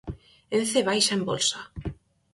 Ence baixa en bolsa.